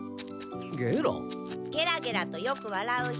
ゲラゲラとよく笑う人。